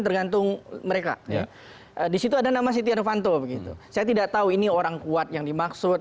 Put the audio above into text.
tergantung mereka ya di situ ada nama siti anufanto begitu saya tidak tahu ini orang kuat yang dimaksud